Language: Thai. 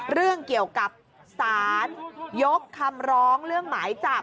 เรื่องเกี่ยวกับสารยกคำร้องเรื่องหมายจับ